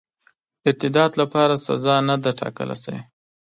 ارتداد لپاره سزا نه ده ټاکله سوې.